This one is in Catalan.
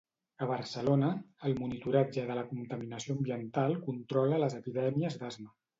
A Barcelona, el monitoratge de la contaminació ambiental controla les epidèmies d'asma.